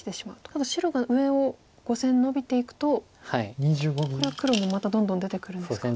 ただ白が上を５線ノビていくとこれは黒もまたどんどん出てくるんですか。